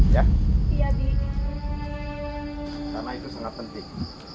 karena itu sangat penting